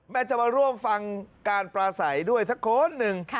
จะมาร่วมฟังการปลาใสด้วยสักคนหนึ่ง